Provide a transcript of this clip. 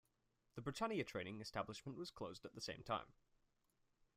The "Britannia" training establishment was closed at the same time.